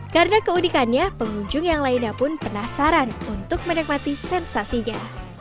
karena keunikannya pengunjung yang lainnya pun penasaran untuk menikmati sensasinya